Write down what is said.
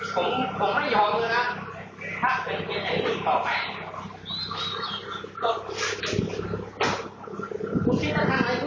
ผมผมไม่ยอมเลยล่ะถ้าเป็นเหตุงานหนึ่งต่อไป